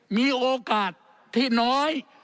มีโอกาสที่น้อย